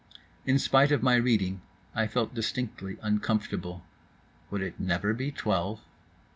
In spite of my reading I felt distinctly uncomfortable. Would it never be Twelve?